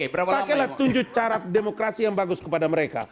pakailah tujuh cara demokrasi yang bagus kepada mereka